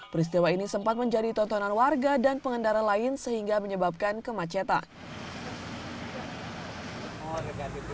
peristiwa ini sempat menjadi tontonan warga dan pengendara lain sehingga menyebabkan kemacetan